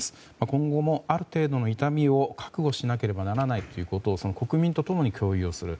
今後もある程度の痛みを覚悟しなければならないことを国民と共に共有をする。